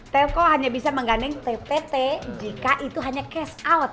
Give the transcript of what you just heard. telko hanya bisa menggandeng tpt jika itu hanya cash out